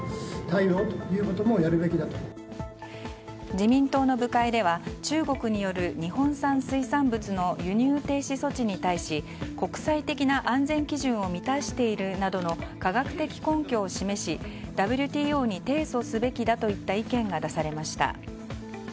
自民党の部会では中国による日本産水産物の輸入停止措置に対し国際的な安全基準を満たしているなどの科学的根拠を示しＷＴＯに提訴すべきだといった意見が出されました。